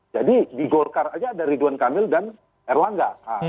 jadi di golkar saja ada ridwan kamil dan erlangga